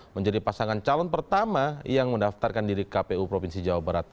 menjadi pasangan calon pertama yang mendaftarkan diri kpu provinsi jawa barat